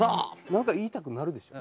何か言いたくなるでしょ？